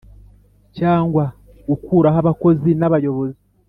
Cyangwa gukuraho abakozi n abayobozi